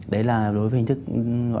đấy là đối với hình thức gọi là đơn giản nhất